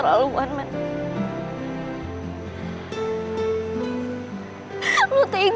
lu takut untuk ngebatalin